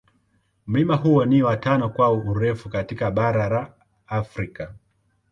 Mlima huo ni wa tano kwa urefu katika bara la Afrika.